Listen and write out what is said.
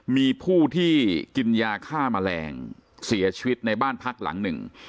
มีผู้ที่กินยาฆ่าแมลงเสียชีวิตในบ้านพักหลังหนึ่ง